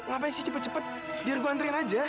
ngapain sih cepat cepat